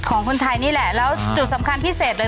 ของคนไทยนี่แหละแล้วจุดสำคัญพิเศษเลย